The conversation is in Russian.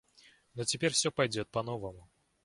Но теперь всё пойдет по новому.